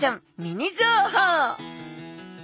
ミニ情報